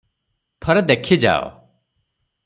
ଥରେ ଦେଖି ଯାଅ!